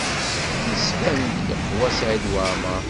Yettban-d yeqwa Saɛid Waɛmaṛ.